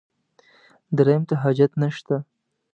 درېیم ته حاجت نشته.